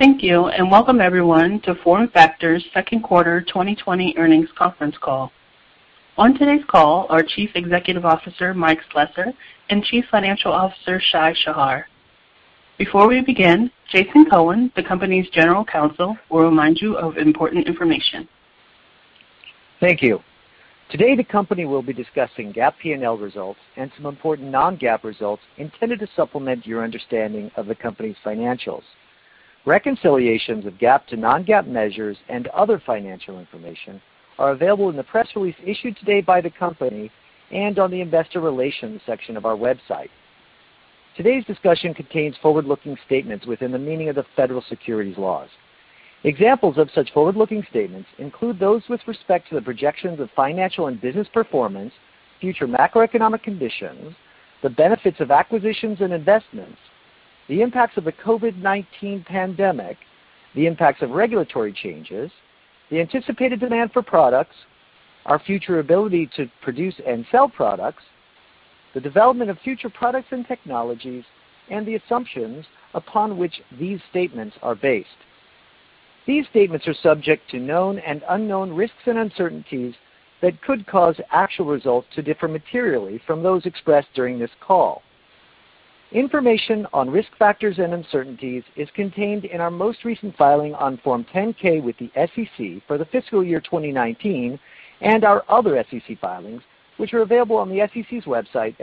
Thank you, and welcome, everyone, to FormFactor's second quarter 2020 earnings conference call. On today's call are Chief Executive Officer, Mike Slessor, and Chief Financial Officer, Shai Shahar. Before we begin, Jason Cohen, the company's General Counsel, will remind you of important information. Thank you. Today, the company will be discussing GAAP P&L results and some important Non-GAAP results intended to supplement your understanding of the company's financials. Reconciliations of GAAP to Non-GAAP measures and other financial information are available in the press release issued today by the company and on the investor relations section of our website. Today's discussion contains forward-looking statements within the meaning of the federal securities laws. Examples of such forward-looking statements include those with respect to the projections of financial and business performance, future macroeconomic conditions, the benefits of acquisitions and investments, the impacts of the COVID-19 pandemic, the impacts of regulatory changes, the anticipated demand for products, our future ability to produce and sell products, the development of future products and technologies, and the assumptions upon which these statements are based. These statements are subject to known and unknown risks and uncertainties that could cause actual results to differ materially from those expressed during this call. Information on risk factors and uncertainties is contained in our most recent filing on Form 10-K with the SEC for the fiscal year 2019, and our other SEC filings, which are available on the sec.gov website,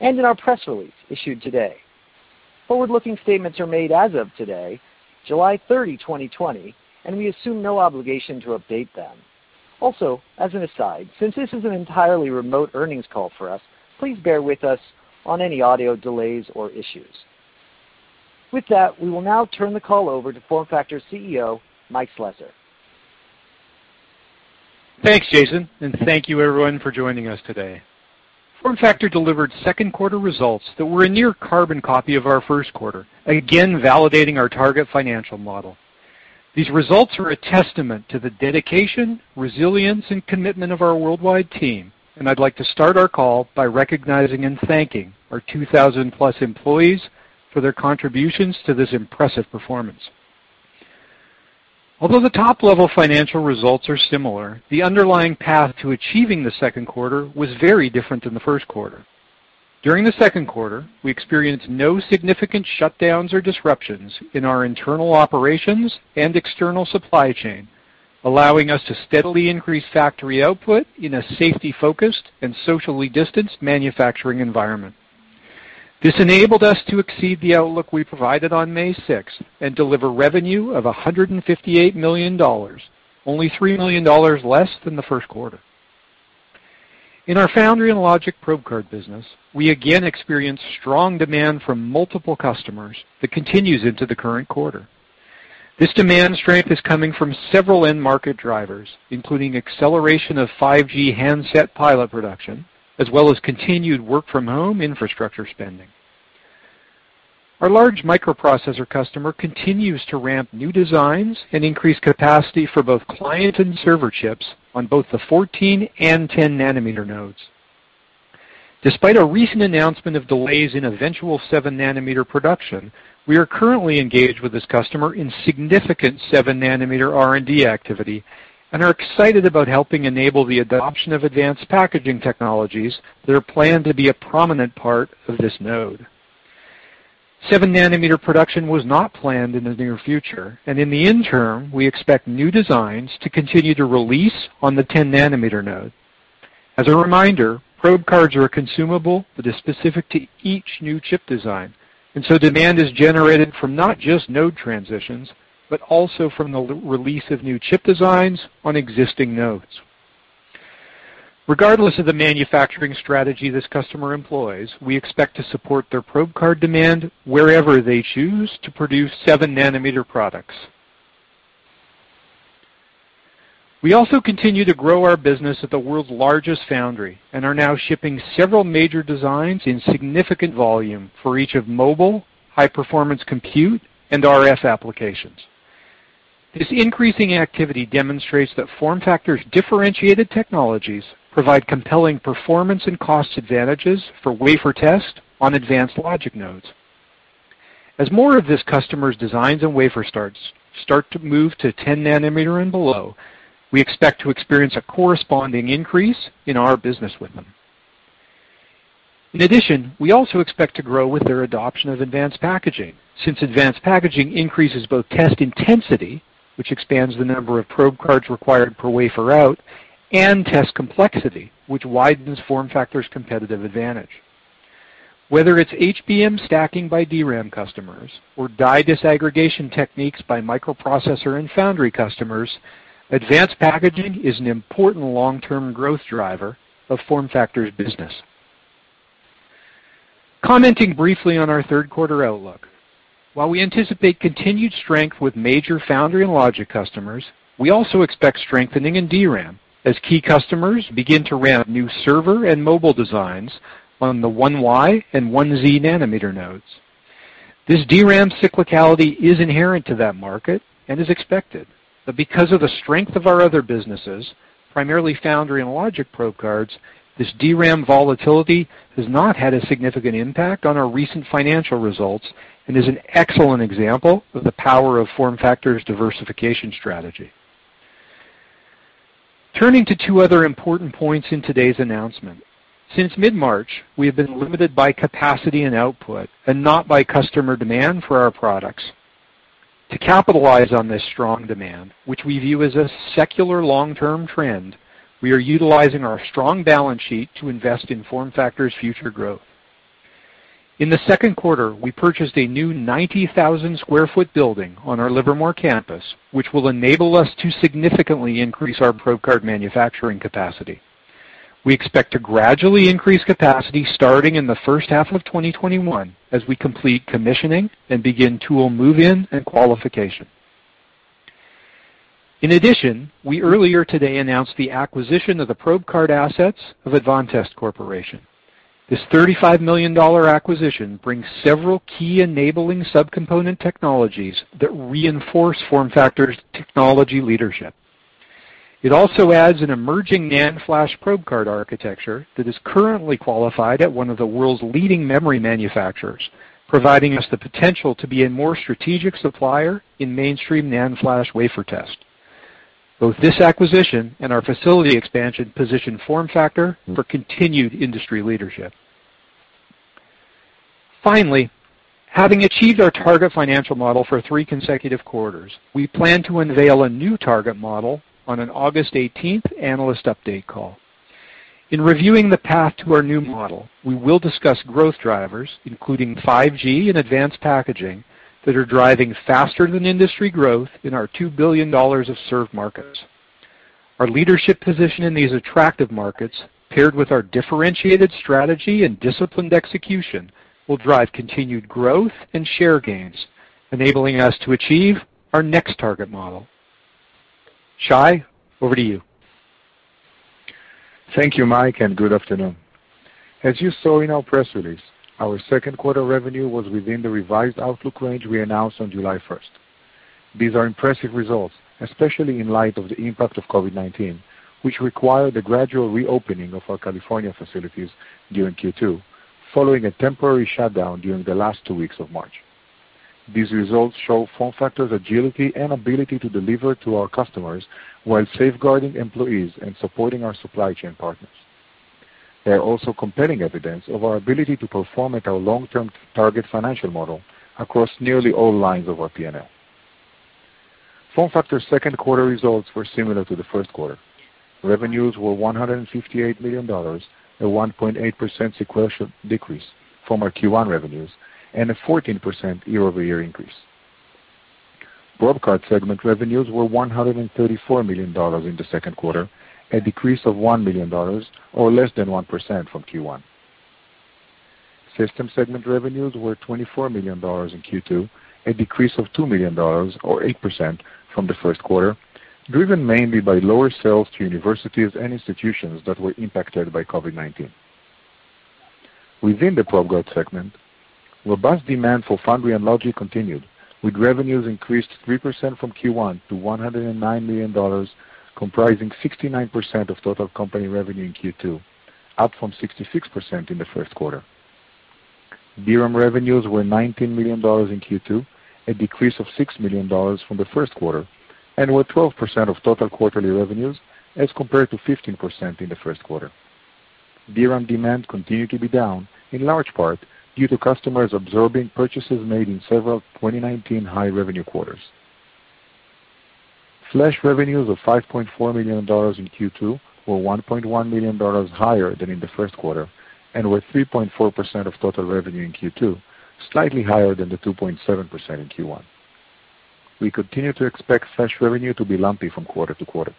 and in our press release issued today. Forward-looking statements are made as of today, July 30, 2020, and we assume no obligation to update them. As an aside, since this is an entirely remote earnings call for us, please bear with us on any audio delays or issues. With that, we will now turn the call over to FormFactor Chief Executive Officer, Mike Slessor. Thanks, Jason. Thank you, everyone, for joining us today. FormFactor delivered second quarter results that were a near carbon copy of our first quarter, again, validating our target financial model. These results are a testament to the dedication, resilience, and commitment of our worldwide team, and I'd like to start our call by recognizing and thanking our 2,000+ employees for their contributions to this impressive performance. Although the top-level financial results are similar, the underlying path to achieving the second quarter was very different than the first quarter. During the second quarter, we experienced no significant shutdowns or disruptions in our internal operations and external supply chain, allowing us to steadily increase factory output in a safety-focused and socially distanced manufacturing environment. This enabled us to exceed the outlook we provided on May 6 and deliver revenue of $158 million, only $3 million less than the first quarter. In our foundry and logic probe card business, we again experienced strong demand from multiple customers that continues into the current quarter. This demand strength is coming from several end-market drivers, including acceleration of 5G handset pilot production, as well as continued work-from-home infrastructure spending. Our large microprocessor customer continues to ramp new designs and increase capacity for both client and server chips on both the 14-nanometer and 10-nanometer node. Despite a recent announcement of delays in eventual 7-nanometer production, we are currently engaged with this customer in significant seven nanometer R&D activity and are excited about helping enable the adoption of advanced packaging technologies that are planned to be a prominent part of this node. 7-nanometer production was not planned in the near future, in the interim, we expect new designs to continue to release on the 10-nanometer node. As a reminder, probe cards are a consumable that is specific to each new chip design, demand is generated from not just node transitions, but also from the release of new chip designs on existing nodes. Regardless of the manufacturing strategy this customer employs, we expect to support their probe card demand wherever they choose to produce 7-nanometer products. We also continue to grow our business at the world's largest foundry and are now shipping several major designs in significant volume for each of mobile, high-performance compute, and RF applications. This increasing activity demonstrates that FormFactor's differentiated technologies provide compelling performance and cost advantages for wafer test on advanced logic nodes. As more of this customer's designs and wafer starts start to move to 10 nanometer and below, we expect to experience a corresponding increase in our business with them. In addition, we also expect to grow with their adoption of advanced packaging, since advanced packaging increases both test intensity, which expands the number of probe cards required per wafer out, and test complexity, which widens FormFactor's competitive advantage. Whether it's HBM stacking by DRAM customers or die disaggregation techniques by microprocessor and foundry customers, advanced packaging is an important long-term growth driver of FormFactor's business. Commenting briefly on our third quarter outlook. While we anticipate continued strength with major foundry and logic customers, we also expect strengthening in DRAM as key customers begin to ramp new server and mobile designs on the 1Y-nanometer node and 1Z-nanometer node. This DRAM cyclicality is inherent to that market and is expected, because of the strength of our other businesses, primarily foundry and logic probe cards. This DRAM volatility has not had a significant impact on our recent financial results and is an excellent example of the power of FormFactor's diversification strategy. Turning to two other important points in today's announcement. Since mid-March, we have been limited by capacity and output and not by customer demand for our products. To capitalize on this strong demand, which we view as a secular long-term trend, we are utilizing our strong balance sheet to invest in FormFactor's future growth. In the second quarter, we purchased a new 90,000 sq ft building on our Livermore campus, which will enable us to significantly increase our probe card manufacturing capacity. We expect to gradually increase capacity starting in the first half of 2021 as we complete commissioning and begin tool move-in and qualification. In addition, we earlier today announced the acquisition of the probe card assets of Advantest Corporation. This $35 million acquisition brings several key enabling sub-component technologies that reinforce FormFactor's technology leadership. It also adds an emerging NAND flash probe card architecture that is currently qualified at one of the world's leading memory manufacturers, providing us the potential to be a more strategic supplier in mainstream NAND flash wafer test. Both this acquisition and our facility expansion position FormFactor for continued industry leadership. Finally, having achieved our target financial model for three consecutive quarters, we plan to unveil a new target model on an August 18th analyst update call. In reviewing the path to our new model, we will discuss growth drivers, including 5G and advanced packaging, that are driving faster than industry growth in our $2 billion of served markets. Our leadership position in these attractive markets, paired with our differentiated strategy and disciplined execution, will drive continued growth and share gains, enabling us to achieve our next target model. Shai, over to you. Thank you, Mike, and good afternoon. As you saw in our press release, our second quarter revenue was within the revised outlook range we announced on July 1st. These are impressive results, especially in light of the impact of COVID-19, which required the gradual reopening of our California facilities during Q2, following a temporary shutdown during the last two weeks of March. These results show FormFactor's agility and ability to deliver to our customers while safeguarding employees and supporting our supply chain partners. They are also compelling evidence of our ability to perform at our long-term target financial model across nearly all lines of our P&L. FormFactor's second quarter results were similar to the first quarter. Revenues were $158 million, a 1.8% sequential decrease from our Q1 revenues and a 14% year-over-year increase. Probe card segment revenues were $134 million in the second quarter, a decrease of $1 million or less than 1% from Q1. System segment revenues were $24 million in Q2, a decrease of $2 million or 8% from the first quarter, driven mainly by lower sales to universities and institutions that were impacted by COVID-19. Within the probe card segment, robust demand for foundry and logic continued, with revenues increased 3% from Q1 to $109 million, comprising 69% of total company revenue in Q2, up from 66% in the first quarter. DRAM revenues were $19 million in Q2, a decrease of $6 million from the first quarter, and were 12% of total quarterly revenues as compared to 15% in the first quarter. DRAM demand continued to be down, in large part due to customers absorbing purchases made in several 2019 high-revenue quarters. Flash revenues of $5.4 million in Q2 were $1.1 million higher than in the first quarter and were 3.4% of total revenue in Q2, slightly higher than the 2.7% in Q1. We continue to expect flash revenue to be lumpy from quarter to quarter.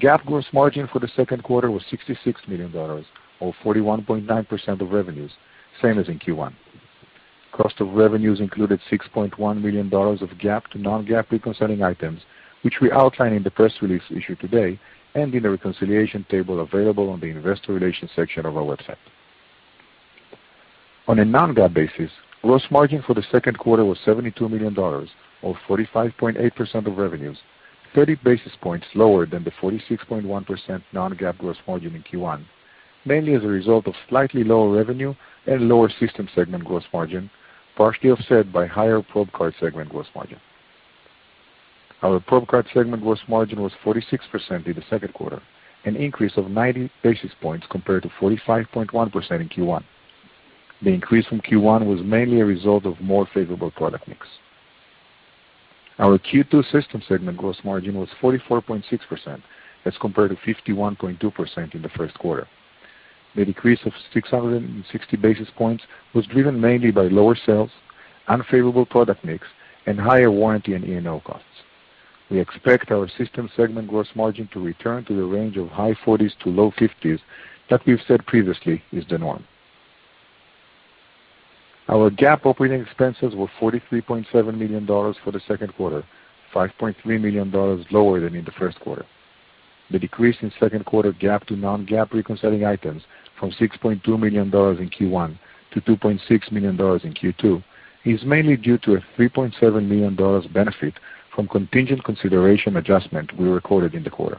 GAAP gross margin for the second quarter was $66 million, or 41.9% of revenues, same as in Q1. Cost of revenues included $6.1 million of GAAP to Non-GAAP reconciling items, which we outline in the press release issued today and in the reconciliation table available on the investor relations section of our website. On a Non-GAAP basis, gross margin for the second quarter was $72 million, or 45.8% of revenues, 30 basis points lower than the 46.1% Non-GAAP gross margin in Q1, mainly as a result of slightly lower revenue and lower system segment gross margin, partially offset by higher probe card segment gross margin. Our probe card segment gross margin was 46% in the second quarter, an increase of 90 basis points compared to 45.1% in Q1. The increase from Q1 was mainly a result of more favorable product mix. Our Q2 system segment gross margin was 44.6% as compared to 51.2% in the first quarter. The decrease of 660 basis points was driven mainly by lower sales, unfavorable product mix, and higher warranty and E&O costs. We expect our system segment gross margin to return to the range of high 40s to low 50s that we've said previously is the norm. Our GAAP operating expenses were $43.7 million for the second quarter, $5.3 million lower than in the first quarter. The decrease in second quarter GAAP to Non-GAAP reconciling items from $6.2 million in Q1-$2.6 million in Q2 is mainly due to a $3.7 million benefit from contingent consideration adjustment we recorded in the quarter.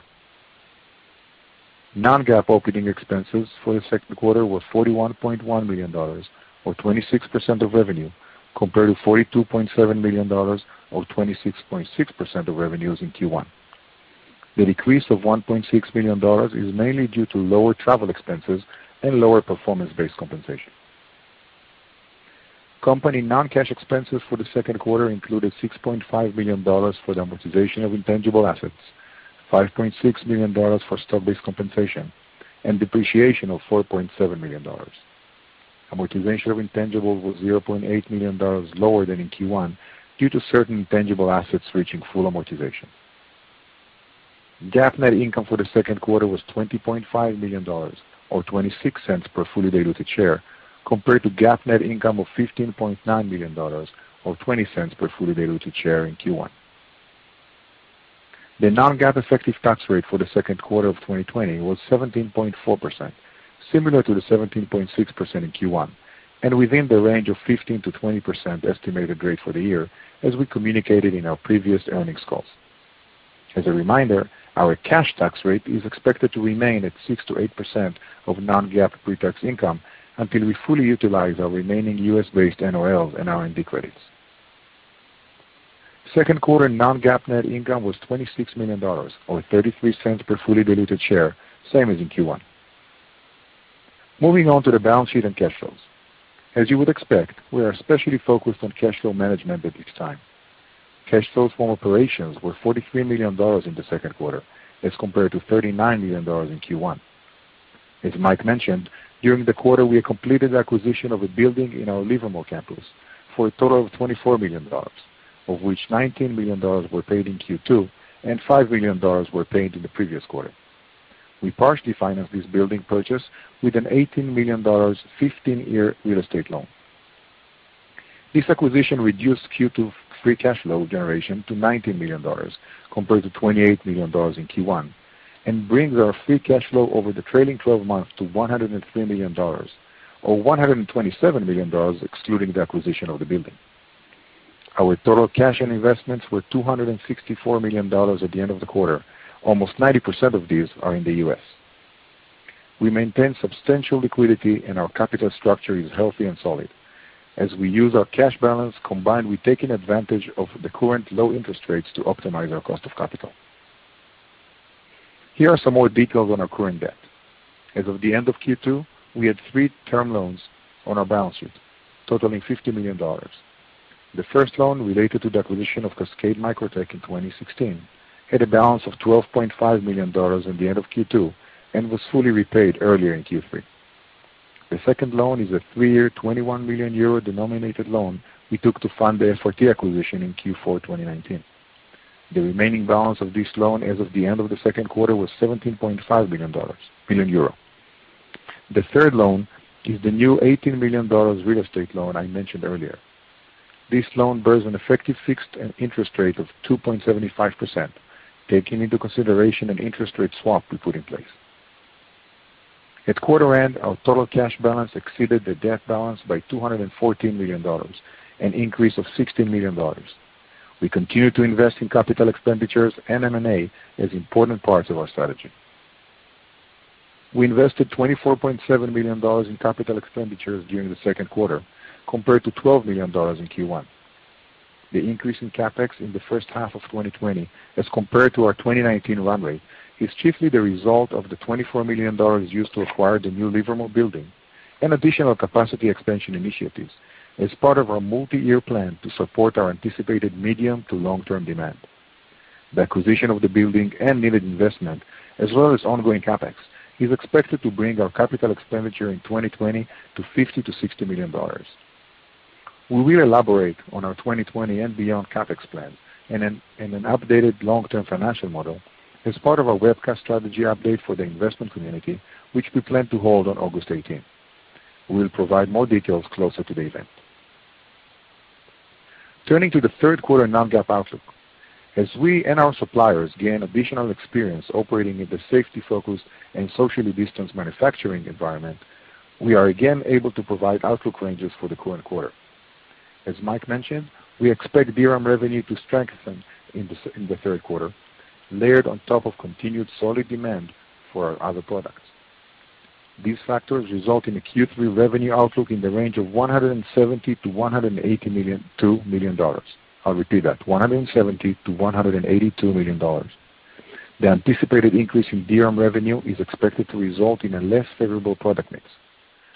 Non-GAAP operating expenses for the second quarter were $41.1 million, or 26% of revenue, compared to $42.7 million, or 26.6% of revenues in Q1. The decrease of $1.6 million is mainly due to lower travel expenses and lower performance-based compensation. Company non-cash expenses for the second quarter included $6.5 million for the amortization of intangible assets, $5.6 million for stock-based compensation, and depreciation of $4.7 million. Amortization of intangible was $0.8 million lower than in Q1 due to certain intangible assets reaching full amortization. GAAP net income for the second quarter was $20.5 million, or $0.26 per fully diluted share, compared to GAAP net income of $15.9 million, or $0.20 per fully diluted share in Q1. The Non-GAAP effective tax rate for the second quarter of 2020 was 17.4%, similar to the 17.6% in Q1, and within the range of 15%-20% estimated rate for the year, as we communicated in our previous earnings calls. As a reminder, our cash tax rate is expected to remain at 6%-8% of Non-GAAP pre-tax income until we fully utilize our remaining U.S.-based NOLs and R&D credits. Second quarter Non-GAAP net income was $26 million, or $0.33 per fully diluted share, same as in Q1. Moving on to the balance sheet and cash flows. As you would expect, we are especially focused on cash flow management at this time. Cash flows from operations were $43 million in the second quarter as compared to $39 million in Q1. As Mike mentioned, during the quarter, we completed the acquisition of a building in our Livermore campus for a total of $24 million, of which $19 million were paid in Q2 and $5 million were paid in the previous quarter. We partially financed this building purchase with an $18 million, 15-year real estate loan. This acquisition reduced Q2 free cash flow generation to $19 million compared to $28 million in Q1, and brings our free cash flow over the trailing 12 months to $103 million, or $127 million excluding the acquisition of the building. Our total cash and investments were $264 million at the end of the quarter. Almost 90% of these are in the U.S. We maintain substantial liquidity, and our capital structure is healthy and solid. As we use our cash balance, combined with taking advantage of the current low interest rates to optimize our cost of capital. Here are some more details on our current debt. As of the end of Q2, we had three term loans on our balance sheet totaling $50 million. The first loan, related to the acquisition of Cascade Microtech in 2016, had a balance of $12.5 million at the end of Q2 and was fully repaid earlier in Q3. The second loan is a three-year, 21 million euro denominated loan we took to fund the FRT acquisition in Q4 2019. The remaining balance of this loan as of the end of the second quarter was EUR 17.5 million. The third loan is the new $18 million real estate loan I mentioned earlier. This loan bears an effective fixed interest rate of 2.75%, taking into consideration an interest rate swap we put in place. At quarter end, our total cash balance exceeded the debt balance by $214 million, an increase of $16 million. We continue to invest in capital expenditures and M&A as important parts of our strategy. We invested $24.7 million in capital expenditures during the second quarter, compared to $12 million in Q1. The increase in CapEx in the first half of 2020 as compared to our 2019 run rate is chiefly the result of the $24 million used to acquire the new Livermore building and additional capacity expansion initiatives as part of our multi-year plan to support our anticipated medium to long-term demand. The acquisition of the building and needed investment, as well as ongoing CapEx, is expected to bring our capital expenditure in 2020 to $50 million-$60 million. We will elaborate on our 2020 and beyond CapEx plans in an updated long-term financial model as part of our webcast strategy update for the investment community, which we plan to hold on August 18th. We'll provide more details closer to the event. Turning to the third quarter Non-GAAP outlook. As we and our suppliers gain additional experience operating in the safety-focused and socially distanced manufacturing environment, we are again able to provide outlook ranges for the current quarter. As Mike mentioned, we expect DRAM revenue to strengthen in the third quarter, layered on top of continued solid demand for our other products. These factors result in a Q3 revenue outlook in the range of $170 million-$182 million. I'll repeat that, $170 million-$182 million. The anticipated increase in DRAM revenue is expected to result in a less favorable product mix.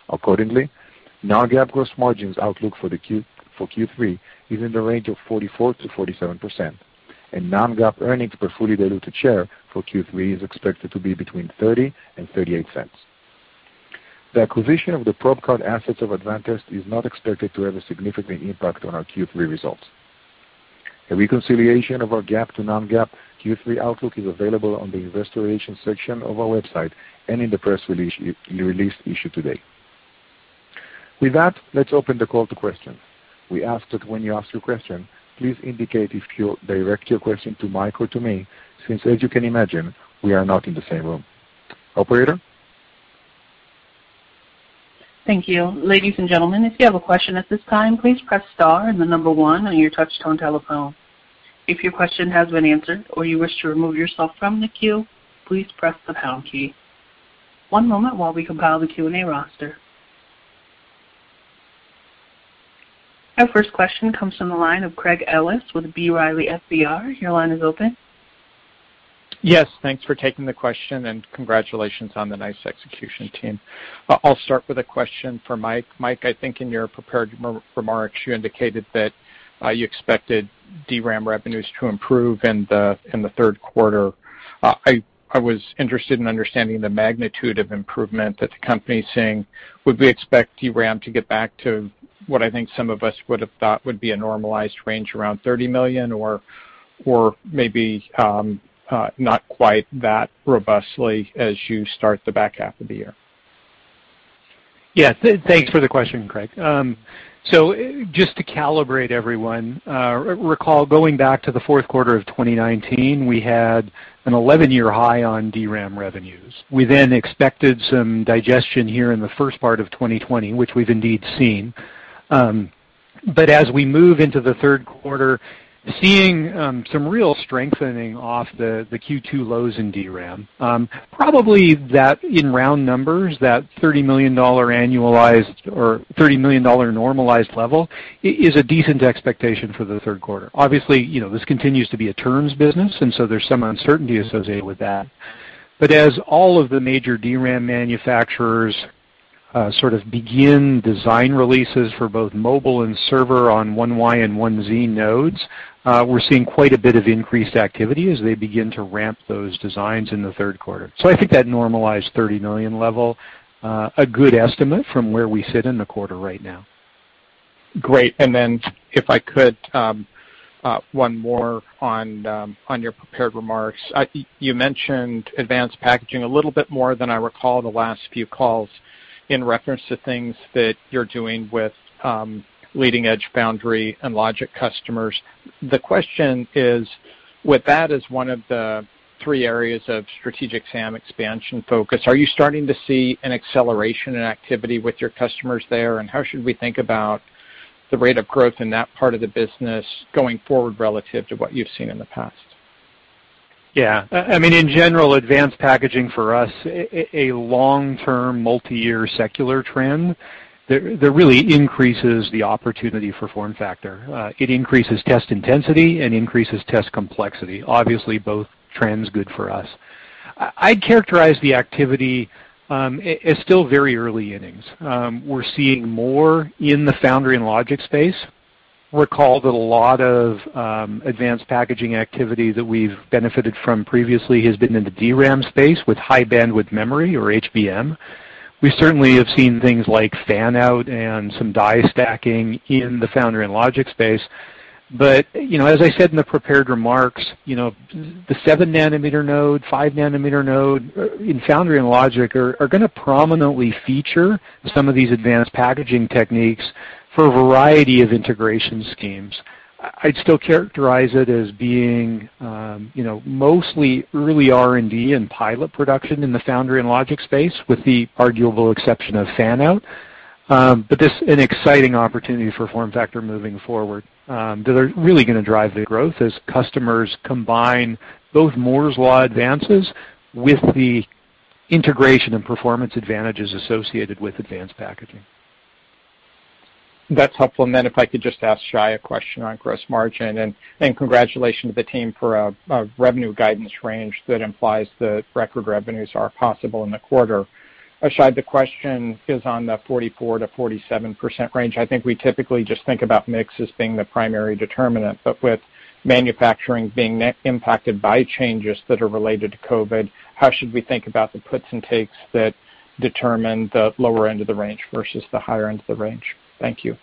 Accordingly, Non-GAAP gross margins outlook for Q3 is in the range of 44%-47%, and Non-GAAP earnings per fully diluted share for Q3 is expected to be between $0.30 and $0.38. The acquisition of the probe card assets of Advantest is not expected to have a significant impact on our Q3 results. A reconciliation of our GAAP to Non-GAAP Q3 outlook is available on the investor relations section of our website and in the press release issued today. With that, let's open the call to questions. We ask that when you ask your question, please indicate if you direct your question to Mike or to me, since as you can imagine, we are not in the same room. Operator? Thank you. Ladies and gentlemen, if you have a question at this time, please press star and the number one on your touch-tone telephone. If your question has been answered or you wish to remove yourself from the queue, please press the pound key. One moment while we compile the Q&A roster. Our first question comes from the line of Craig Ellis with B. Riley FBR. Your line is open. Thanks for taking the question, and congratulations on the nice execution, team. I'll start with a question for Mike. Mike, I think in your prepared remarks, you indicated that you expected DRAM revenues to improve in the third quarter. I was interested in understanding the magnitude of improvement that the company is seeing. Would we expect DRAM to get back to what I think some of us would have thought would be a normalized range around $30 million or maybe not quite that robustly as you start the back half of the year? Yes. Thanks for the question, Craig. Just to calibrate everyone, recall going back to the fourth quarter of 2019, we had an 11-year high on DRAM revenues. We expected some digestion here in the first part of 2020, which we've indeed seen. As we move into the third quarter, seeing some real strengthening off the Q2 lows in DRAM, probably that in round numbers, that $30 million annualized or $30 million normalized level is a decent expectation for the third quarter. Obviously, this continues to be a turns business, there's some uncertainty associated with that. As all of the major DRAM manufacturers sort of begin design releases for both mobile and server on 1Y and 1Z nodes, we're seeing quite a bit of increased activity as they begin to ramp those designs in the third quarter. I think that normalized $30 million level, a good estimate from where we sit in the quarter right now. Great. If I could, one more on your prepared remarks. You mentioned advanced packaging a little bit more than I recall the last few calls in reference to things that you're doing with leading-edge foundry and logic customers. The question is, with that as one of the three areas of strategic SAM expansion focus, are you starting to see an acceleration in activity with your customers there, and how should we think about the rate of growth in that part of the business going forward relative to what you've seen in the past? Yeah. I mean, in general, advanced packaging for us, a long-term, multi-year secular trend that really increases the opportunity for FormFactor. It increases test intensity and increases test complexity. Obviously, both trends good for us. I'd characterize the activity as still very early innings. We're seeing more in the foundry and logic space. Recall that a lot of advanced packaging activity that we've benefited from previously has been in the DRAM space with high-bandwidth memory or HBM. We certainly have seen things like fan-out and some die stacking in the foundry and logic space. As I said in the prepared remarks, the 7-nanometer node, 5-nanometer node in foundry and logic are going to prominently feature some of these advanced packaging techniques for a variety of integration schemes. I'd still characterize it as being mostly early R&D and pilot production in the foundry and logic space with the arguable exception of fan-out. This, an exciting opportunity for FormFactor moving forward that are really going to drive the growth as customers combine both Moore's law advances with the integration and performance advantages associated with advanced packaging. That's helpful. If I could just ask Shai a question on gross margin. Congratulations to the team for a revenue guidance range that implies that record revenues are possible in the quarter. Shai, the question is on the 44%-47% range. I think we typically just think about mix as being the primary determinant, but with manufacturing being impacted by changes that are related to COVID, how should we think about the puts and takes that determine the lower end of the range versus the higher end of the range? Thank you.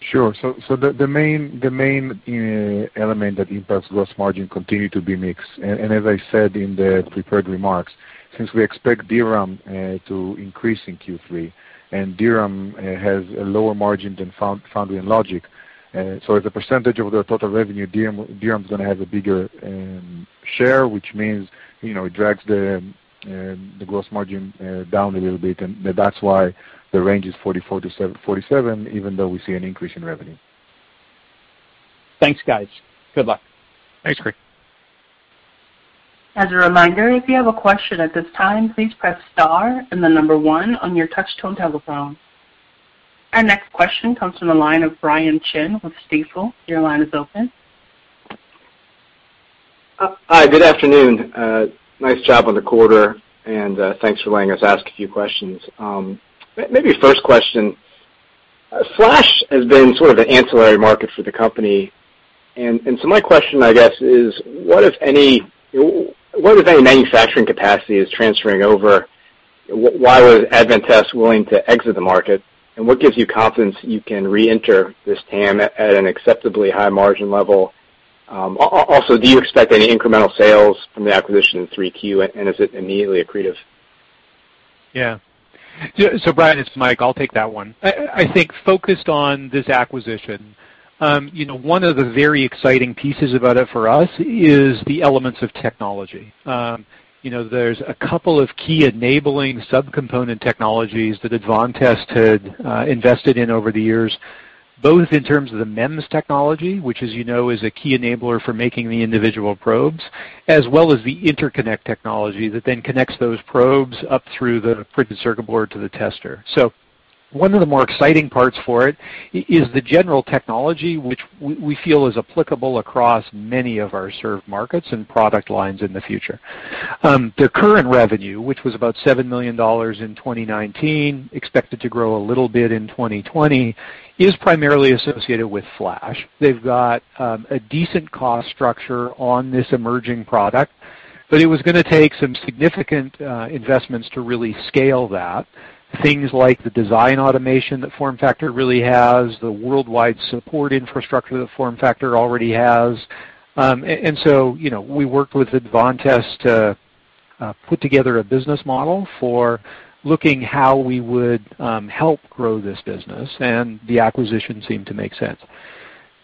Sure. The main element that impacts gross margin continue to be mix. As I said in the prepared remarks, since we expect DRAM to increase in Q3, and DRAM has a lower margin than foundry and logic, so as a percentage of the total revenue, DRAM is going to have a bigger share, which means it drags the gross margin down a little bit, and that's why the range is 44%-47%, even though we see an increase in revenue. Thanks, guys. Good luck. Thanks, Craig. As a reminder, if you have a question at this time, please press star and the number one on your touch-tone telephone. Our next question comes from the line of Brian Chin with Stifel. Your line is open. Hi, good afternoon. Nice job on the quarter, and thanks for letting us ask a few questions. Maybe first question, flash has been sort of an ancillary market for the company. My question, I guess, is what, if any, manufacturing capacity is transferring over? Why was Advantest willing to exit the market? What gives you confidence you can reenter this TAM at an acceptably high margin level? Do you expect any incremental sales from the acquisition in 3Q, and is it immediately accretive? Yeah. Brian, it's Mike, I'll take that one. I think focused on this acquisition, one of the very exciting pieces about it for us is the elements of technology. There's a couple of key enabling sub-component technologies that Advantest had invested in over the years, both in terms of the MEMS technology, which as you know, is a key enabler for making the individual probes, as well as the interconnect technology that then connects those probes up through the printed circuit board to the tester. One of the more exciting parts for it is the general technology, which we feel is applicable across many of our served markets and product lines in the future. Their current revenue, which was about $7 million in 2019, expected to grow a little bit in 2020, is primarily associated with flash. They've got a decent cost structure on this emerging product, but it was going to take some significant investments to really scale that. Things like the design automation that FormFactor really has, the worldwide support infrastructure that FormFactor already has. We worked with Advantest to put together a business model for looking how we would help grow this business, and the acquisition seemed to make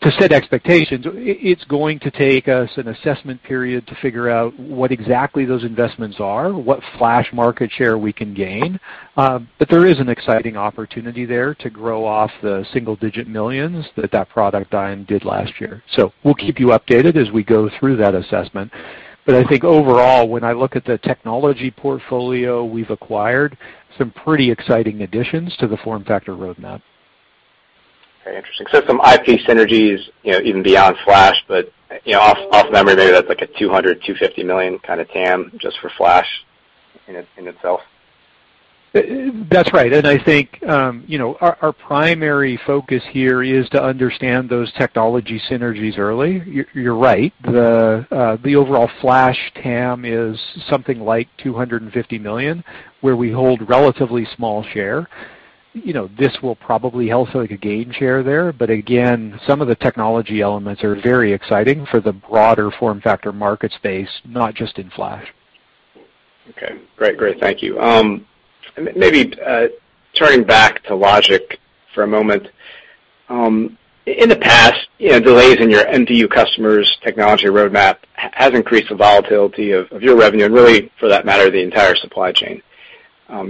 sense. To set expectations, it's going to take us an assessment period to figure out what exactly those investments are, what flash market share we can gain. There is an exciting opportunity there to grow off the single-digit millions that product line did last year. We'll keep you updated as we go through that assessment. I think overall, when I look at the technology portfolio we've acquired, some pretty exciting additions to the FormFactor roadmap. Very interesting. Some IP synergies, even beyond flash, but off memory, maybe that's like a $200 million-$250 million kind of TAM just for flash in itself. That's right. I think, our primary focus here is to understand those technology synergies early. You're right. The overall flash TAM is something like $250 million, where we hold relatively small share. This will probably help us gain share there. Again, some of the technology elements are very exciting for the broader FormFactor market space, not just in flash. Okay. Great. Thank you. Maybe turning back to logic for a moment. In the past, delays in your MPU customer's technology roadmap has increased the volatility of your revenue, and really, for that matter, the entire supply chain.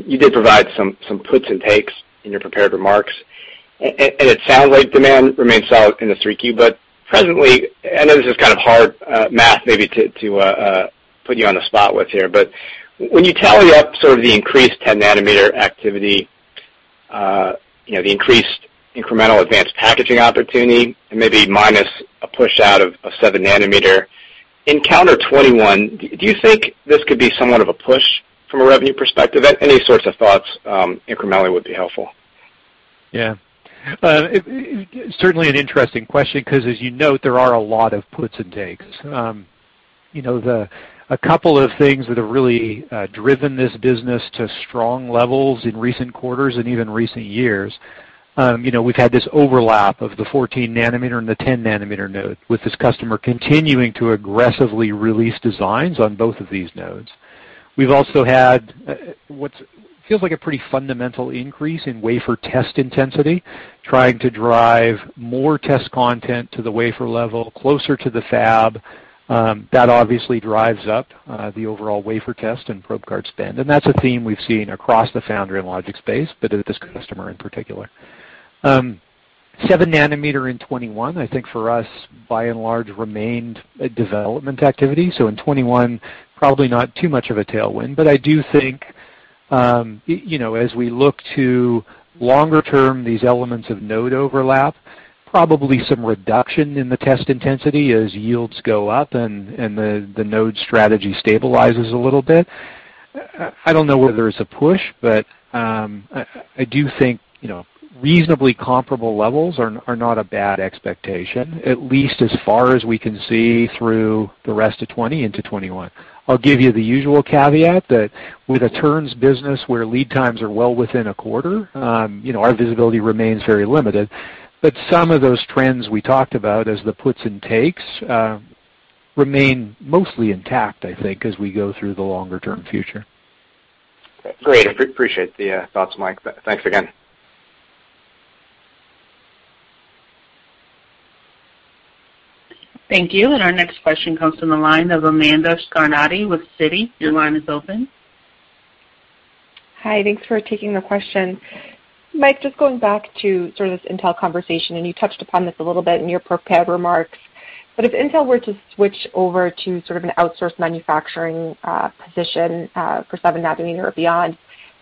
You did provide some puts and takes in your prepared remarks, and it sounds like demand remains solid in the 3Q, but presently, and I know this is kind of hard math maybe to put you on the spot with here, but when you tally up sort of the increased 10 nanometer activity, the increased incremental advanced packaging opportunity, and maybe minus a push out of seven nanometer in calendar 2021, do you think this could be somewhat of a push from a revenue perspective? Any sorts of thoughts incrementally would be helpful. Yeah. Certainly an interesting question, because as you note, there are a lot of puts and takes. A couple of things that have really driven this business to strong levels in recent quarters and even recent years. We've had this overlap of the 14-nanometer and the 10-nanometer node, with this customer continuing to aggressively release designs on both of these nodes. We've also had what feels like a pretty fundamental increase in wafer test intensity, trying to drive more test content to the wafer level closer to the fab. That obviously drives up the overall wafer test and probe card spend. That's a theme we've seen across the foundry and logic space, but with this customer in particular. 7-nanometer in 2021, I think for us, by and large, remained a development activity. In 2021, probably not too much of a tailwind. I do think, as we look to longer term, these elements of node overlap, probably some reduction in the test intensity as yields go up and the node strategy stabilizes a little bit. I don't know whether there's a push, but I do think reasonably comparable levels are not a bad expectation, at least as far as we can see through the rest of 2020 into 2021. I'll give you the usual caveat that with a turns business where lead times are well within a quarter, our visibility remains very limited. Some of those trends we talked about as the puts and takes, remain mostly intact, I think, as we go through the longer-term future. Great. Appreciate the thoughts, Mike. Thanks again. Thank you. Our next question comes from the line of Amanda Scarnati with Citi. Your line is open. Hi, thanks for taking the question. Mike, just going back to sort of this Intel conversation, and you touched upon this a little bit in your prepared remarks. If Intel were to switch over to sort of an outsourced manufacturing position for 7-nanometer or beyond,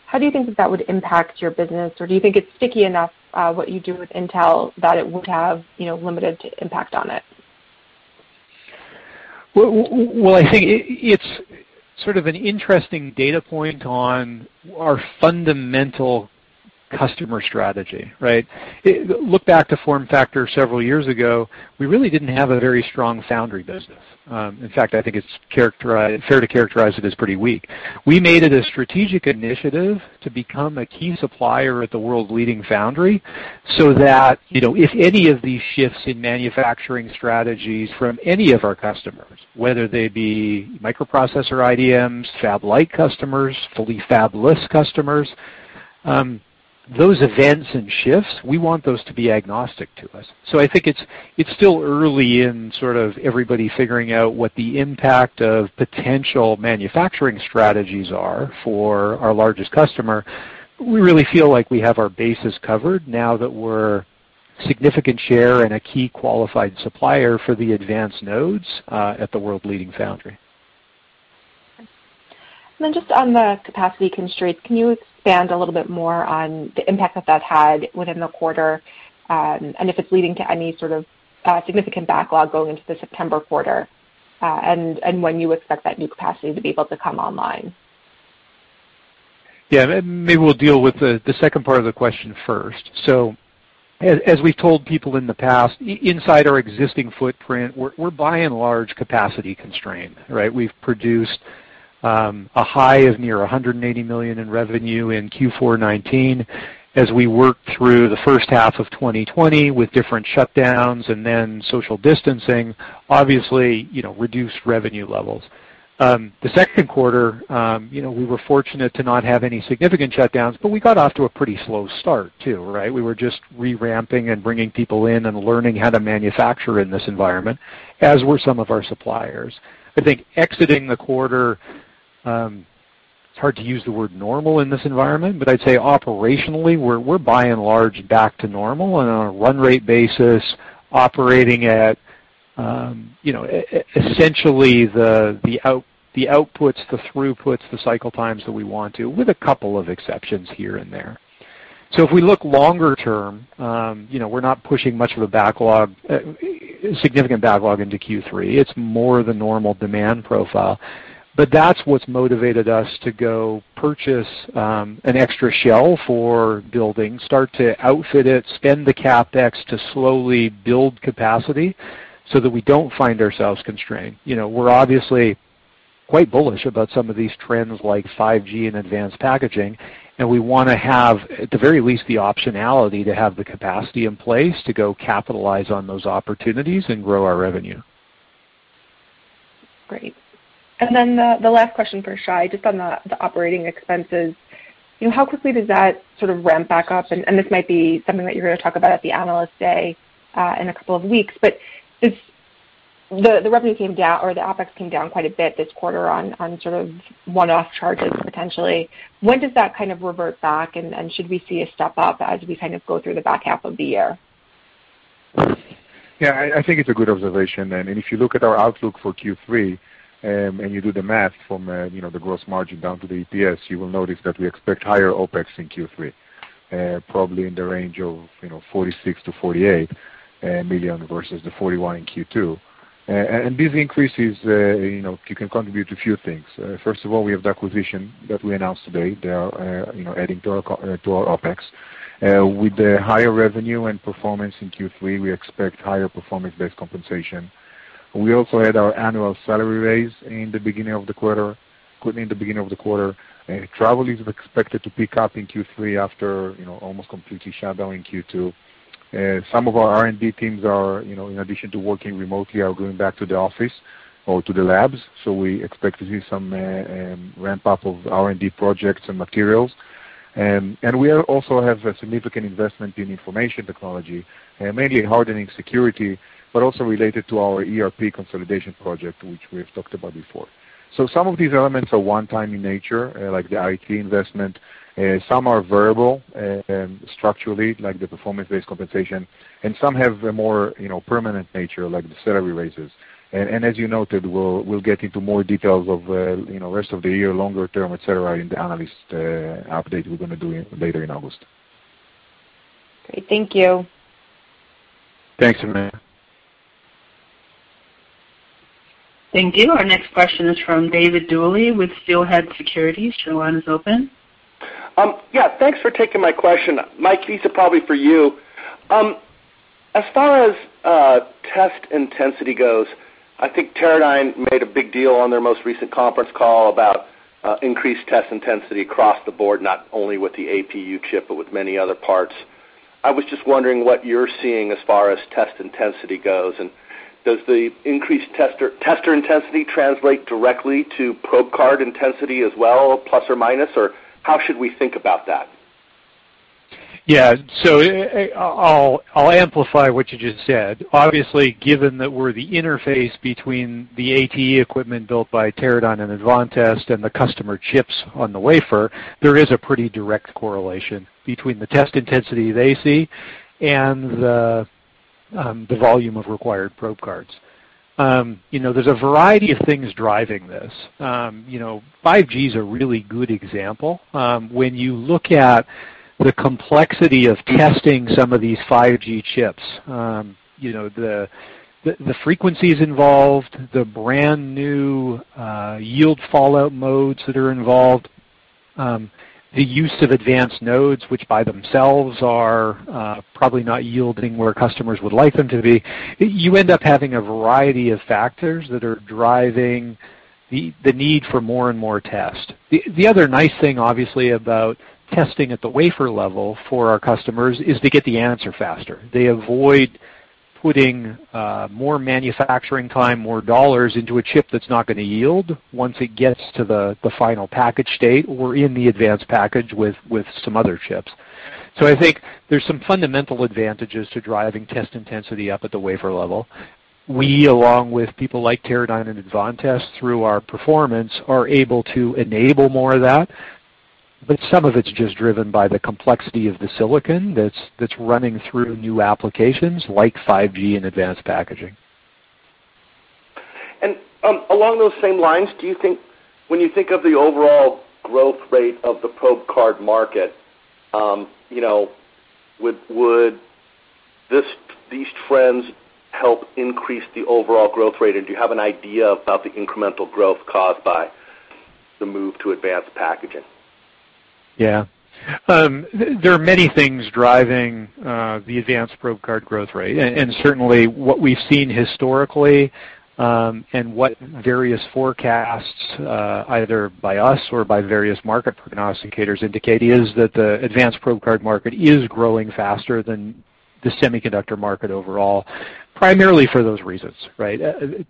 how do you think that that would impact your business? Or do you think it's sticky enough, what you do with Intel, that it would have limited impact on it? I think it's sort of an interesting data point on our fundamental customer strategy, right? Look back to FormFactor several years ago, we really didn't have a very strong foundry business. In fact, I think it's fair to characterize it as pretty weak. We made it a strategic initiative to become a key supplier at the world-leading foundry so that, if any of these shifts in manufacturing strategies from any of our customers, whether they be microprocessor IDMs, fab-light customers, fully fabless customers, those events and shifts, we want those to be agnostic to us. I think it's still early in sort of everybody figuring out what the impact of potential manufacturing strategies are for our largest customer. We really feel like we have our bases covered now that we're significant share and a key qualified supplier for the advanced nodes, at the world leading foundry. Just on the capacity constraints, can you expand a little bit more on the impact that that had within the quarter, and if it's leading to any sort of significant backlog going into the September quarter, and when you expect that new capacity to be able to come online? Maybe we'll deal with the second part of the question first. As we've told people in the past, inside our existing footprint, we're by and large capacity constrained, right? We've produced a high of near $180 million in revenue in Q4 2019 as we worked through the first half of 2020 with different shutdowns and then social distancing, obviously, reduced revenue levels. The second quarter, we were fortunate to not have any significant shutdowns, but we got off to a pretty slow start too, right? We were just re-ramping and bringing people in and learning how to manufacture in this environment, as were some of our suppliers. I think exiting the quarter, it's hard to use the word normal in this environment, but I'd say operationally we're by and large back to normal and on a run rate basis operating at essentially the outputs, the throughputs, the cycle times that we want to, with a couple of exceptions here and there. If we look longer term, we're not pushing much of a significant backlog into Q3. It's more the normal demand profile, but that's what's motivated us to go purchase an extra shell for buildings, start to outfit it, spend the CapEx to slowly build capacity so that we don't find ourselves constrained. We're obviously quite bullish about some of these trends like 5G and advanced packaging, and we want to have, at the very least, the optionality to have the capacity in place to go capitalize on those opportunities and grow our revenue. Great. The last question for Shai, just on the operating expenses. How quickly does that sort of ramp back up? This might be something that you're going to talk about at the Analyst Day, in a couple of weeks. The revenue came down, or the OpEx came down quite a bit this quarter on sort of one-off charges potentially. When does that kind of revert back, and should we see a step up as we kind of go through the back half of the year? Yeah, I think it's a good observation. If you look at our outlook for Q3, and you do the math from the gross margin down to the EPS, you will notice that we expect higher OpEx in Q3, probably in the range of $46 million-$48 million versus the $41 million in Q2. These increases can contribute to a few things. First of all, we have the acquisition that we announced today, adding to our OpEx. With the higher revenue and performance in Q3, we expect higher performance-based compensation. We also had our annual salary raise in the beginning of the quarter. Travel is expected to pick up in Q3 after almost completely shut down in Q2. Some of our R&D teams are, in addition to working remotely, are going back to the office or to the labs, so we expect to see some ramp-up of R&D projects and materials. We also have a significant investment in information technology, mainly hardening security, but also related to our ERP consolidation project, which we have talked about before. Some of these elements are one-time in nature, like the IT investment. Some are variable, structurally, like the performance-based compensation, and some have a more permanent nature, like the salary raises. As you noted, we'll get into more details of rest of the year, longer term, et cetera, in the analyst update we're going to do later in August. Great. Thank you. Thanks, Amanda. Thank you. Our next question is from David Duley with Steelhead Securities. Your line is open. Yeah, thanks for taking my question. Mike, these are probably for you. As far as test intensity goes, I think Teradyne made a big deal on their most recent conference call about increased test intensity across the board, not only with the APU chip, but with many other parts. I was just wondering what you're seeing as far as test intensity goes, and does the increased tester intensity translate directly to probe card intensity as well, plus or minus, or how should we think about that? Yeah. I'll amplify what you just said. Obviously, given that we're the interface between the ATE equipment built by Teradyne and Advantest and the customer chips on the wafer, there is a pretty direct correlation between the test intensity they see and the volume of required probe cards. There's a variety of things driving this. 5G is a really good example. When you look at the complexity of testing some of these 5G chips, The frequencies involved, the brand-new yield fallout modes that are involved, the use of advanced nodes, which by themselves are probably not yielding where customers would like them to be. You end up having a variety of factors that are driving the need for more and more tests. The other nice thing, obviously, about testing at the wafer level for our customers is they get the answer faster. They avoid putting more manufacturing time, more dollars into a chip that's not going to yield once it gets to the final package state or in the advanced package with some other chips. I think there's some fundamental advantages to driving test intensity up at the wafer level. We, along with people like Teradyne and Advantest, through our performance, are able to enable more of that, but some of it's just driven by the complexity of the silicon that's running through new applications like 5G and advanced packaging. Along those same lines, when you think of the overall growth rate of the probe card market, would these trends help increase the overall growth rate? Do you have an idea about the incremental growth caused by the move to advanced packaging? There are many things driving the advanced probe card growth rate, and certainly what we've seen historically, and what various forecasts, either by us or by various market prognosticators indicate, is that the advanced probe card market is growing faster than the semiconductor market overall, primarily for those reasons.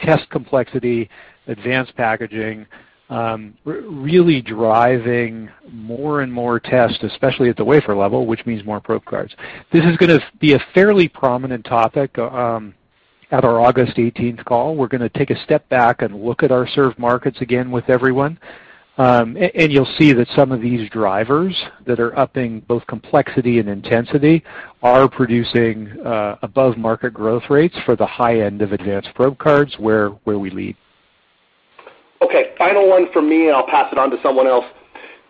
Test complexity, advanced packaging, really driving more and more tests, especially at the wafer level, which means more probe cards. This is going to be a fairly prominent topic at our August 18th call. We're going to take a step back and look at our served markets again with everyone. You'll see that some of these drivers that are upping both complexity and intensity are producing above-market growth rates for the high end of advanced probe cards, where we lead. Okay. Final one for me, and I'll pass it on to someone else.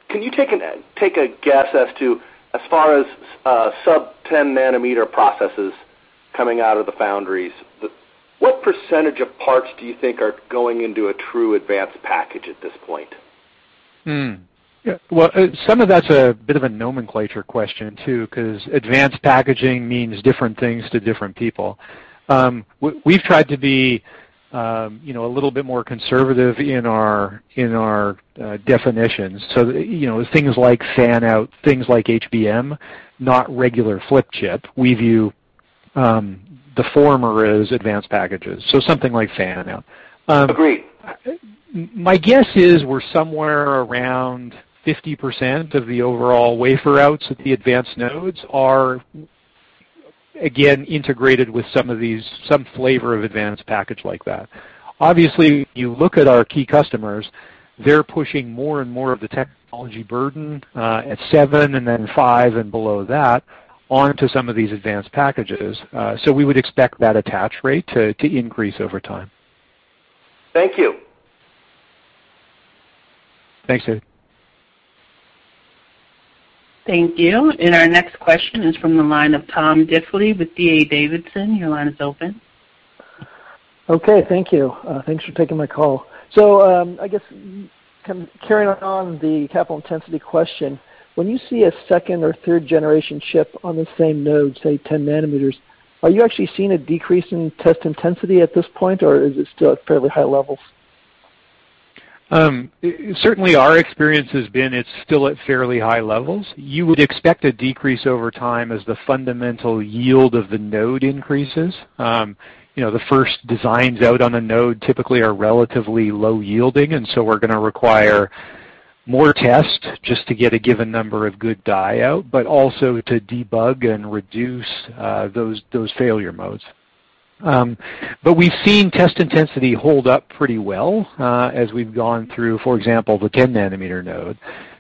Can you take a guess as to, as far as sub-10-nanometer processes coming out of the foundries, what percentage of parts do you think are going into a true advanced package at this point? Well, some of that's a bit of a nomenclature question, too, because advanced packaging means different things to different people. We've tried to be a little bit more conservative in our definitions. Things like fan-out, things like HBM, not regular flip chip, we view the former as advanced packages, so something like fan-out. Agreed. My guess is we're somewhere around 50% of the overall wafer outs at the advanced nodes are, again, integrated with some flavor of advanced package like that. Obviously, you look at our key customers, they're pushing more and more of the technology burden, at seven and then five and below that, onto some of these advanced packages. We would expect that attach rate to increase over time. Thank you. Thanks, David. Thank you. Our next question is from the line of Tom Diffely with D.A. Davidson. Your line is open. Okay. Thank you. Thanks for taking my call. I guess carrying on the capital intensity question, when you see a second or third generation chip on the same node, say, 10 nanometers, are you actually seeing a decrease in test intensity at this point, or is it still at fairly high levels? Certainly, our experience has been it's still at fairly high levels. You would expect a decrease over time as the fundamental yield of the node increases. The first designs out on a node typically are relatively low yielding, and so we're going to require more tests just to get a given number of good die out, but also to debug and reduce those failure modes. We've seen test intensity hold up pretty well as we've gone through, for example, the 10-nanometer node,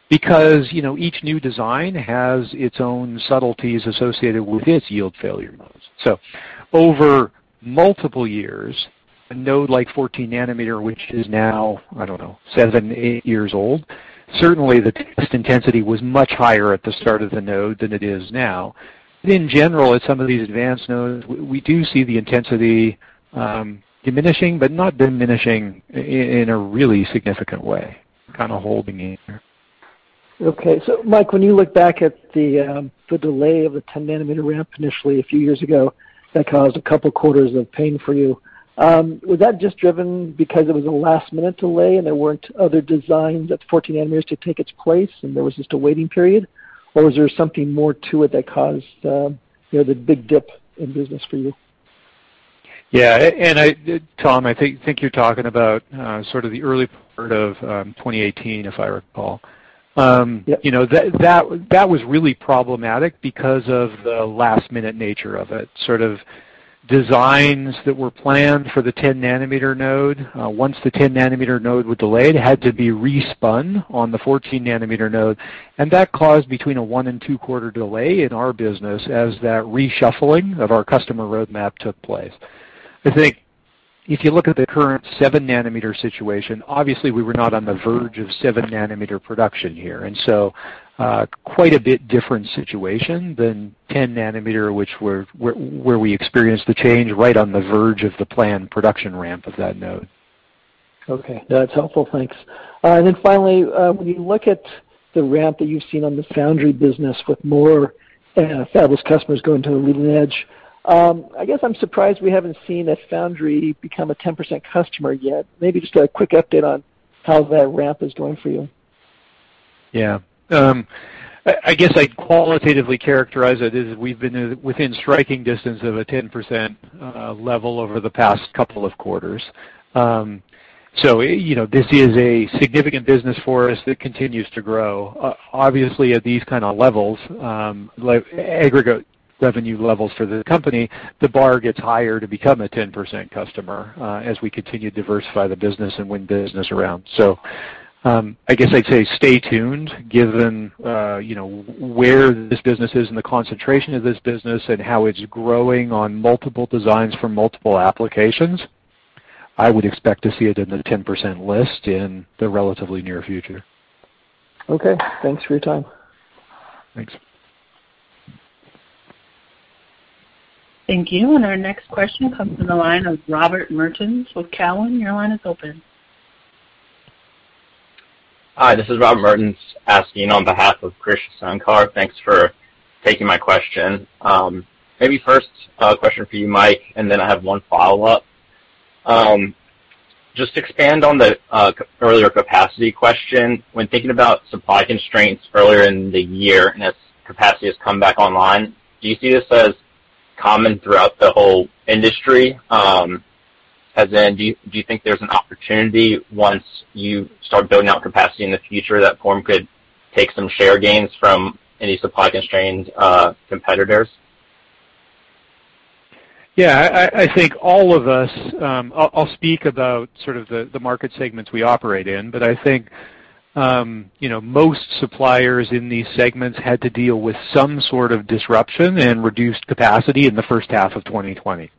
because each new design has its own subtleties associated with its yield failure modes. Over multiple years, a node like 14-nanometer, which is now, I don't know, 7-8 years old, certainly the test intensity was much higher at the start of the node than it is now. In general, at some of these advanced nodes, we do see the intensity diminishing, but not diminishing in a really significant way, kind of holding in there. Okay. Mike, when you look back at the delay of the 10-nanometer ramp initially a few years ago, that caused a couple of quarters of pain for you. Was that just driven because it was a last-minute delay and there weren't other designs at 14 nanometers to take its place, and there was just a waiting period? Or was there something more to it that caused the big dip in business for you? Yeah, Tom, I think you're talking about sort of the early part of 2018, if I recall. Yep. That was really problematic because of the last-minute nature of it. Sort of designs that were planned for the 10-nanometer node. Once the 10-nanometer node was delayed, it had to be re-spun on the 14-nanometer node, and that caused between a one-quarter and two-quarter delay in our business as that reshuffling of our customer roadmap took place. If you look at the current seven-nanometer situation, obviously we were not on the verge of 7-nanometer production here. Quite a bit different situation than 10-nanometer, where we experienced the change right on the verge of the planned production ramp of that node. Okay. That's helpful. Thanks. Finally, when you look at the ramp that you've seen on the foundry business with more fabless customers going to the leading edge, I guess I'm surprised we haven't seen a foundry become a 10% customer yet. Maybe just a quick update on how that ramp is going for you. Yeah. I guess I'd qualitatively characterize it as we've been within striking distance of a 10% level over the past couple of quarters. This is a significant business for us that continues to grow. Obviously, at these kind of levels, aggregate revenue levels for the company, the bar gets higher to become a 10% customer, as we continue to diversify the business and win business around. I guess I'd say stay tuned given where this business is and the concentration of this business and how it's growing on multiple designs for multiple applications. I would expect to see it in the 10% list in the relatively near future. Okay. Thanks for your time. Thanks. Thank you. Our next question comes from the line of Robert Mertens with Cowen. Your line is open. Hi, this is Robert Mertens asking on behalf of Krish Sankar. Thanks for taking my question. Maybe first a question for you, Mike, and then I have one follow-up. Just expand on the earlier capacity question. When thinking about supply constraints earlier in the year, and as capacity has come back online, do you see this as common throughout the whole industry? As in, do you think there's an opportunity once you start building out capacity in the future that Form could take some share gains from any supply-constrained competitors? I think all of us, I'll speak about sort of the market segments we operate in, I think most suppliers in these segments had to deal with some sort of disruption and reduced capacity in the first half of 2020. It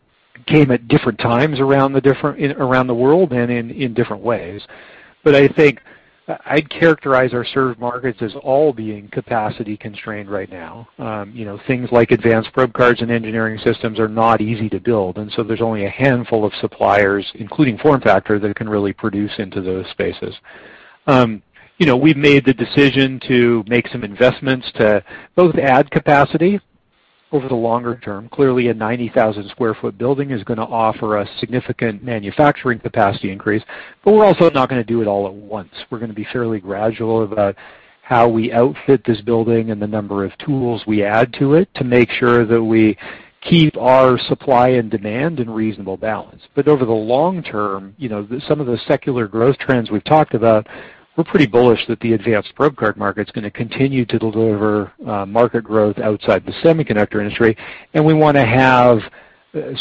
came at different times around the world and in different ways. I think I'd characterize our served markets as all being capacity constrained right now. Things like advanced probe cards and engineering systems are not easy to build, there's only a handful of suppliers, including FormFactor, that can really produce into those spaces. We've made the decision to make some investments to both add capacity over the longer term. Clearly, a 90,000 sq ft building is going to offer a significant manufacturing capacity increase, we're also not going to do it all at once. We're going to be fairly gradual about how we outfit this building and the number of tools we add to it to make sure that we keep our supply and demand in reasonable balance. Over the long term, some of the secular growth trends we've talked about, we're pretty bullish that the advanced probe card market's going to continue to deliver market growth outside the semiconductor industry. We want to have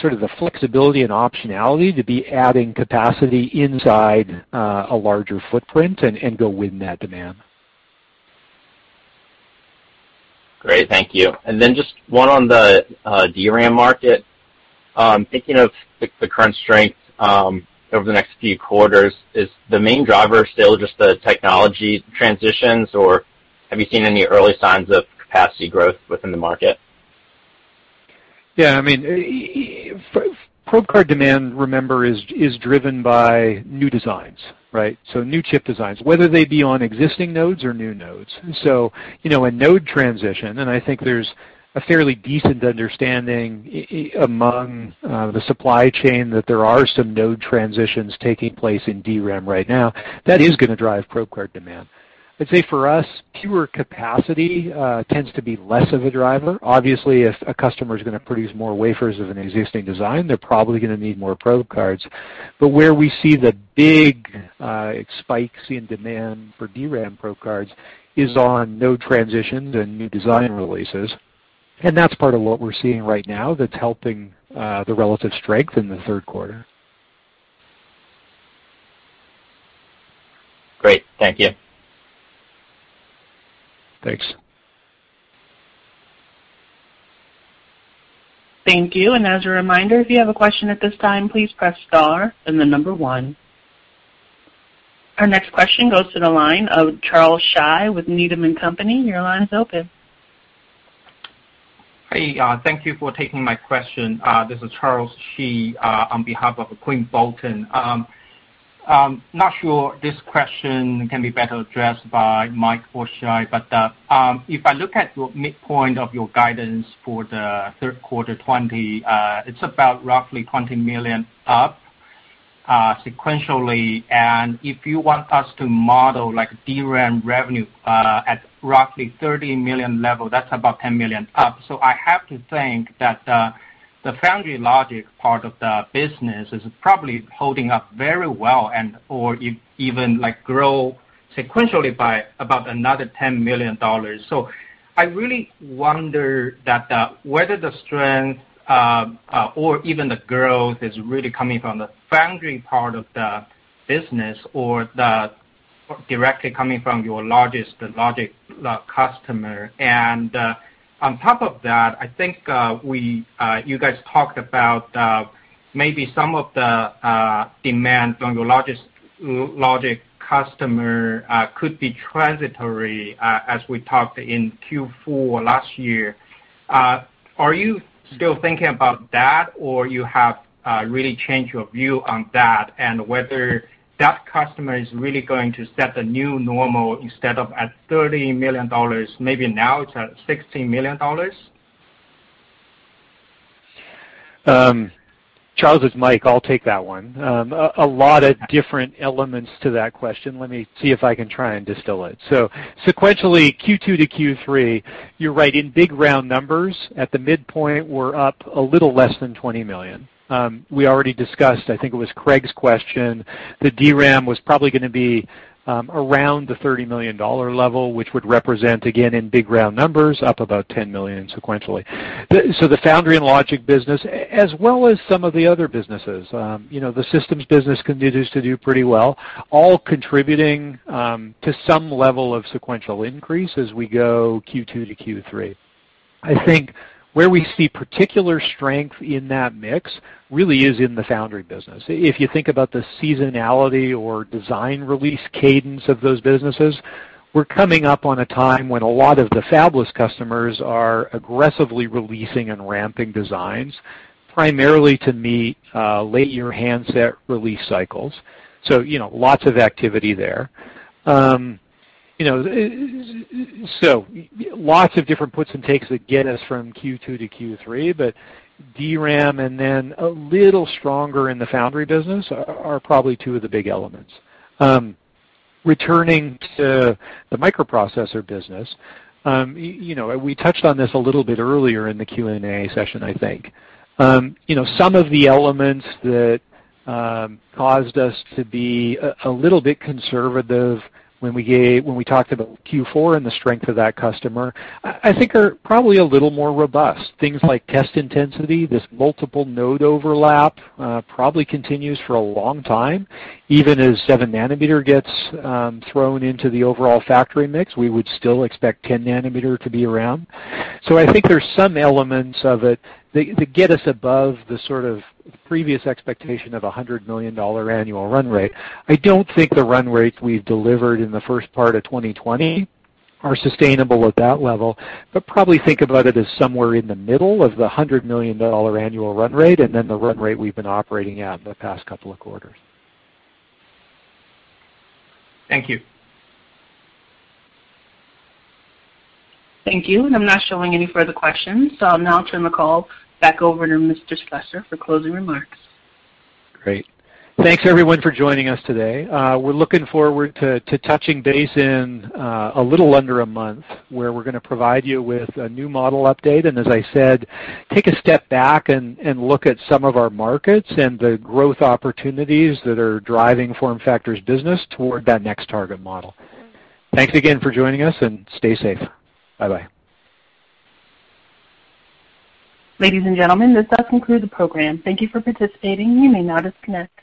sort of the flexibility and optionality to be adding capacity inside a larger footprint and go win that demand. Great. Thank you. Just one on the DRAM market. Thinking of the current strength over the next few quarters, is the main driver still just the technology transitions, or have you seen any early signs of capacity growth within the market? Probe card demand, remember, is driven by new designs. Right? New chip designs, whether they be on existing nodes or new nodes. A node transition, and I think there's a fairly decent understanding among the supply chain that there are some node transitions taking place in DRAM right now. That is going to drive probe card demand. I'd say for us, pure capacity tends to be less of a driver. Obviously, if a customer is going to produce more wafers of an existing design, they're probably going to need more probe cards. Where we see the big spikes in demand for DRAM probe cards is on node transitions and new design releases, and that's part of what we're seeing right now that's helping the relative strength in the third quarter. Great. Thank you. Thanks. Thank you. As a reminder, if you have a question at this time, please press star, then the number one. Our next question goes to the line of Charles Shi with Needham & Company. Your line is open. Hey, thank you for taking my question. This is Charles Shi on behalf of Quinn Bolton. Not sure this question can be better addressed by Mike or Shai, if I look at your midpoint of your guidance for the third quarter 2020, it's about roughly $20 million up sequentially. If you want us to model like DRAM revenue at roughly $30 million level, that's about $10 million up. I have to think that the foundry logic part of the business is probably holding up very well and/or even like grow sequentially by about another $10 million. I really wonder whether the strength or even the growth is really coming from the foundry part of the business or the. Directly coming from your largest logic customer. On top of that, I think you guys talked about maybe some of the demand from your largest logic customer could be transitory, as we talked in Q4 last year. Are you still thinking about that, or you have really changed your view on that, and whether that customer is really going to set the new normal instead of at $30 million, maybe now it's at $16 million? Charles, it's Mike. I'll take that one. A lot of different elements to that question. Let me see if I can try and distill it. Sequentially, Q2-Q3, you're right. In big, round numbers, at the midpoint, we're up a little less than $20 million. We already discussed, I think it was Craig's question, the DRAM was probably going to be around the $30 million level, which would represent, again, in big, round numbers, up about $10 million sequentially. The foundry and logic business, as well as some of the other businesses, the systems business continues to do pretty well, all contributing to some level of sequential increase as we go Q2-Q3. I think where we see particular strength in that mix really is in the foundry business. If you think about the seasonality or design release cadence of those businesses, we're coming up on a time when a lot of the fabless customers are aggressively releasing and ramping designs, primarily to meet late-year handset release cycles. Lots of activity there. Lots of different puts and takes that get us from Q2-Q3, but DRAM and then a little stronger in the foundry business are probably two of the big elements. Returning to the microprocessor business, we touched on this a little bit earlier in the Q&A session, I think. Some of the elements that caused us to be a little bit conservative when we talked about Q4 and the strength of that customer, I think are probably a little more robust. Things like test intensity, this multiple node overlap probably continues for a long time. Even as 7-nanometer gets thrown into the overall factory mix, we would still expect 10-nanometer to be around. I think there's some elements of it that get us above the sort of previous expectation of $100 million annual run rate. I don't think the run rates we've delivered in the first part of 2020 are sustainable at that level, but probably think about it as somewhere in the middle of the $100 million annual run rate and then the run rate we've been operating at the past couple of quarters. Thank you. Thank you. I'm not showing any further questions, so I'll now turn the call back over to Mr. Slessor for closing remarks. Great. Thanks everyone for joining us today. We're looking forward to touching base in a little under a month, where we're going to provide you with a new model update, and as I said, take a step back and look at some of our markets and the growth opportunities that are driving FormFactor's business toward that next target model. Thanks again for joining us, and stay safe. Bye-bye. Ladies and gentlemen, this does conclude the program. Thank you for participating. You may now disconnect.